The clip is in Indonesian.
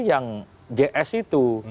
yang js itu